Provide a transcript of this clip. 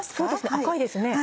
赤いですね。